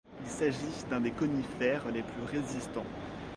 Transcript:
Il s'agit d'un des conifères les plus résistants.